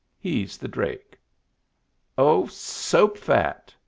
He's the drake." " Oh, soap fat